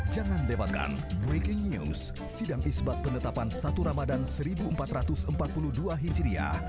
jangan lewatkan breaking news sidang isbat penetapan satu ramadhan seribu empat ratus empat puluh dua hijriah